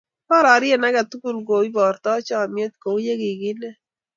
Bororie agetugul ko ibortoi chomye ko uu yekikinet.